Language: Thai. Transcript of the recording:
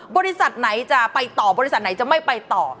บริษัทไหนจะไปต่อบริษัทไหนจะไม่ไปต่อ